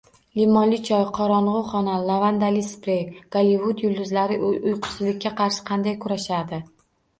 Limonli choy, qorong‘i xona, lavandali sprey: Gollivud yulduzlari uyqusizlikka qarshi qanday kurashadi?